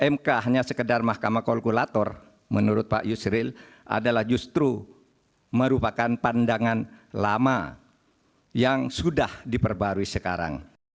mk hanya sekedar mahkamah kolkulator menurut pak yusril adalah justru merupakan pandangan lama yang sudah diperbarui sekarang